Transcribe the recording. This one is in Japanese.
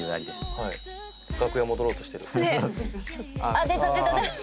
あっ出た出た出た！